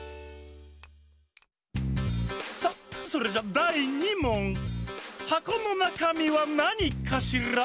さあそれじゃだい２もん！はこのなかみはなにかしら？